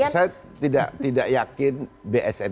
saya tidak yakin bsn